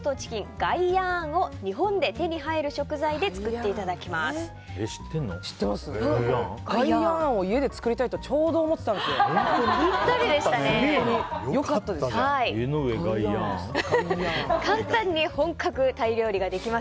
ガイヤーンを家で作りたいとちょうど思ってたんです。